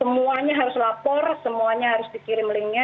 semuanya harus lapor semuanya harus dikirim linknya